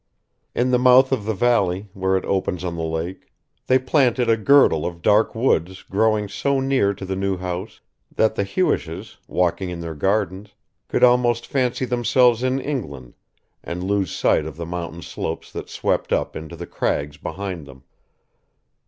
In the mouth of the valley, where it opens on the lake, they planted a girdle of dark woods growing so near to the new house that the Hewishes, walking in their gardens, could almost fancy themselves in England and lose sight of the mountain slopes that swept up into the crags behind them.